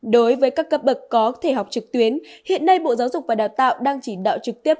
đối với các cấp bậc có thể học trực tuyến hiện nay bộ giáo dục và đào tạo đang chỉ đạo trực tiếp